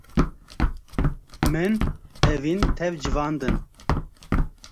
Min evîn tev civandin.